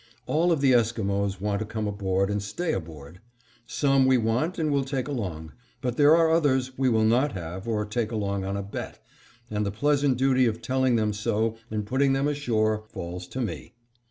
All of the Esquimos want to come aboard and stay aboard. Some we want and will take along, but there are others we will not have or take along on a bet, and the pleasant duty of telling them so and putting them ashore falls to me.